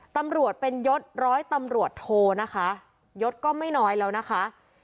ตำรวจเป็นยศร้อยตำรวจโทนะคะยศก็ไม่น้อยแล้วนะคะ